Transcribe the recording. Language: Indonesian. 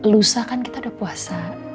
lusa kan kita udah puasa